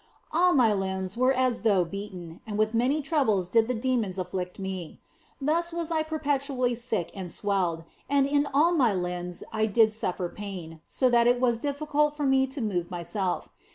All my limbs were as though beaten, and with many troubles did the demons afflict me. Thus was I perpetually sick and swelled, and in all my limbs I did suffer pain, so that it was difficult for me to move myself.